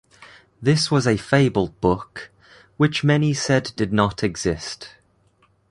This was a fabled book, which many said did not exist.